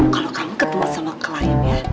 kalo kamu ketemu sama kliennya